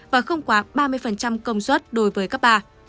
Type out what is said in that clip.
và không quá ba mươi công suất đối với cấp ba